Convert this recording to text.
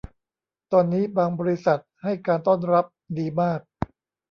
ตอนนี้บางบริษัทให้การต้อนรับดีมาก